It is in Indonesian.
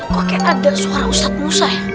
kok kayak ada suara ustadz musa ya